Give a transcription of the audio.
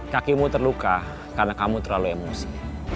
kakimu terluka karena kamu terlalu emosi